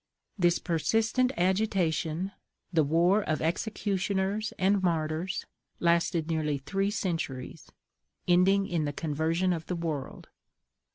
This persistent agitation, the war of the executioners and martyrs, lasted nearly three centuries, ending in the conversion of the world.